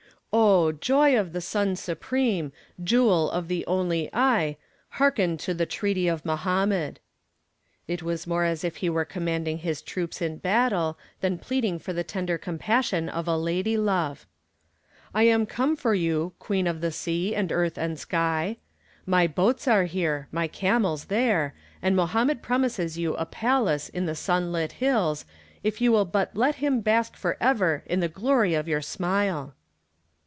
"Oh, joy of the sun supreme, jewel of the only eye, hearken to the entreaty of Mohammed." It was more as if he were commanding his troops in battle than pleading for the tender compassion of a lady love. "I am come for you, queen of the sea and earth and sky. My boats are here, my camels there, and Mohammed promises you a palace in the sun lit hills if you will but let him bask forever in the glory of your smile."